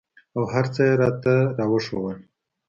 او هرڅه يې راته راوښوول.